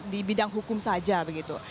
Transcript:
di bidang hukum saja begitu